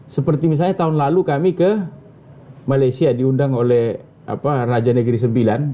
seperti misalnya tahun lalu kami ke malaysia diundang oleh raja negeri sembilan